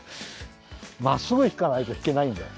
まっすぐひかないとひけないんだよ。